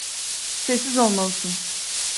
Sessiz olmalısın.